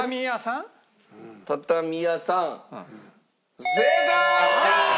畳屋さん正解！